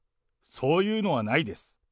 そういうのはないです。